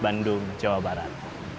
bandung jawa barat